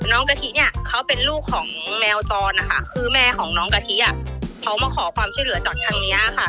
กะทิเนี่ยเขาเป็นลูกของแมวจรนะคะคือแม่ของน้องกะทิอ่ะเขามาขอความช่วยเหลือจากทางนี้ค่ะ